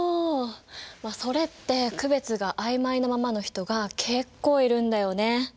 まあそれって区別が曖昧なままの人が結構いるんだよね。